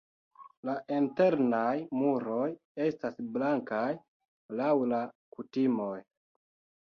La internaj muroj estas blankaj laŭ la kutimoj.